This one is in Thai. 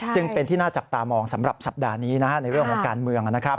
จึงเป็นที่น่าจับตามองสำหรับสัปดาห์นี้ในเรื่องของการเมือง